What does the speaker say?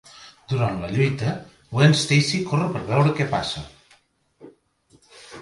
Durant la lluita, Gwen Stacy corre per veure què passa.